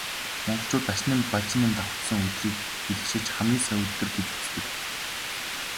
Монголчууд Дашням, Балжинням давхацсан өдрийг бэлгэшээж хамгийн сайн өдөр гэж үздэг.